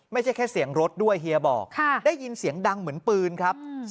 ไม่ใช่แค่เสียงรถด้วยเฮียบอกได้ยินเสียงดังเหมือนปืนครับ